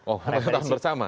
oh pengetahuan bersama